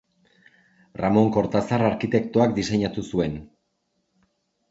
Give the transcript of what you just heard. Ramon Kortazar arkitektoak diseinatu zuen.